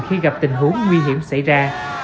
khi gặp tình huống nguy hiểm xảy ra